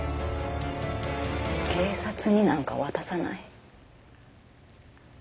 警察になんか渡さない。